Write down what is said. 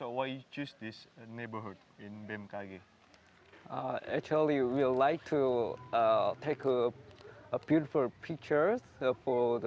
untuk penelitian itu posisi ini memiliki tempat yang sering dibangun di menengah menengahan meja dan bumi di ternate